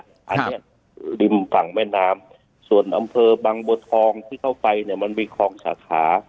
อันนี้ริมฝั่งแม่น้ำส่วนอำเภอบางบัวทองที่เข้าไปเนี่ยมันมีคลองสาขา